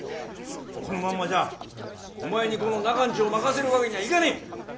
このまんまじゃお前にこの中の家を任せるわけにはいがねぇ。